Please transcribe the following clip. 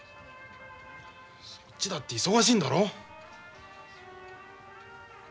そっちだって忙しいんだろ。